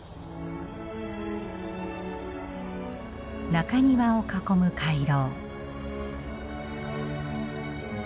中庭を囲む回廊。